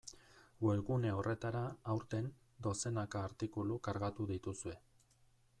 Webgune horretara, aurten, dozenaka artikulu kargatu dituzue.